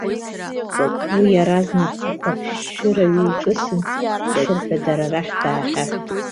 Уи иаразнак ақәабшәшәыра ҩеиҿысын, ашырҳәа дара рахь даахьаҳәт.